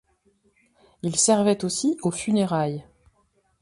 Il servait aussi aux funérailles.